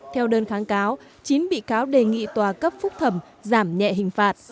theo đơn kháng cáo chín bị cáo đề nghị tòa cấp phúc thẩm giảm nhẹ hình phạt